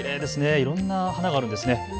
いろんな花があるんですね。